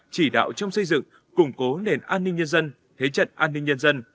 chỉ đạo trong xây dựng củng cố nền an ninh nhân dân thế trận an ninh nhân dân